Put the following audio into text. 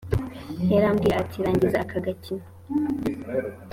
yarambwiye ati rangiza aka gakino